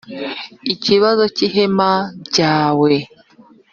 ikibanza cy’ihema ryawe.